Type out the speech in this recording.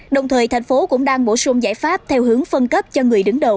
đồng thời tp hcm cũng đang bổ sung giải pháp theo hướng phân cấp cho người đứng đầu